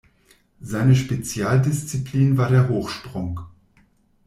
Seine Spezialdisziplin war der Hochsprung.